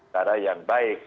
cara yang baik